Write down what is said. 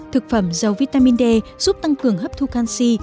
thực phẩm dầu vitamin d giúp tăng cường hấp thu canxi